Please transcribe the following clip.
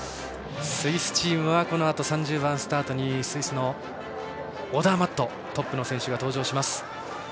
スイスチームはこのあと３０番スタートにスイスのオダーマットトップの選手が登場します。